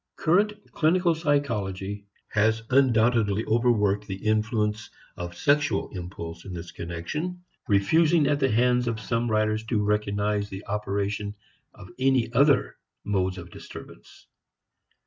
Current clinical psychology has undoubtedly overworked the influence of sexual impulse in this connection, refusing at the hands of some writers to recognize the operation of any other modes of disturbance.